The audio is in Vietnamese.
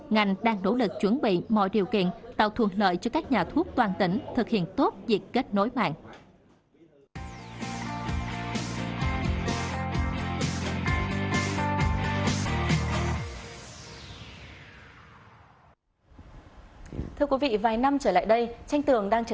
ngành đang nỗ lực chuẩn bị mọi điều kiện tạo thuận lợi cho các nhà thuốc toàn tỉnh thực hiện tốt việc kết nối mạng